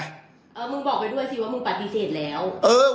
เออมึงบอกไปด้วยสิว่ามึงปฏิเสธแล้ว